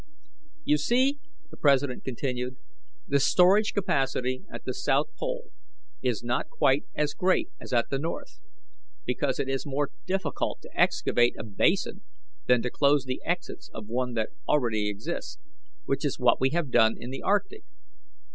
"You see," the president continued, "the storage capacity at the south pole is not quite as great as at the north, because it is more difficult to excavate a basin than to close the exits of one that already exists, which is what we have done in the arctic.